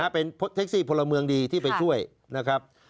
เป็นแท็กซี่พลเมืองดีที่ไปช่วยนะครับ